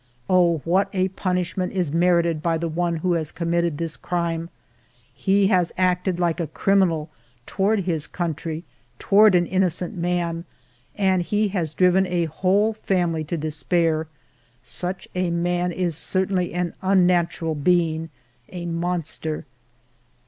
Oh, what a punishment is merited by the one who has committed this crime ! He has acted like a criminal toward his country, toward an innocent man, and he has driven a whole family to despair. Such a man is certainly an unnatural being, a monster